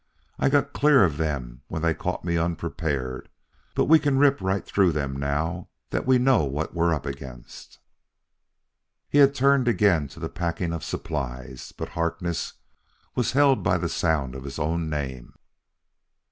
I got clear of them when they caught me unprepared, but we can rip right through them now that we know what we're up against." He had turned again to the packing of supplies, but Harkness was held by the sound of his own name.